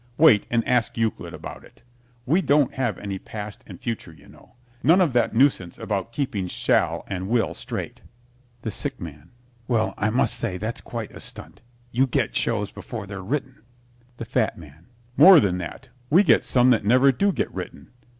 Wait and ask Euclid about it. We don't have any past and future, you know. None of that nuisance about keeping shall and will straight. THE SICK MAN Well, I must say that's quite a stunt. You get shows before they're written. THE FAT MAN More than that. We get some that never do get written.